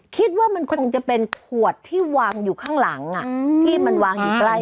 คิดว่ามันคงจะเป็นขวดที่วางอยู่ข้างหลังที่มันวางอยู่ใกล้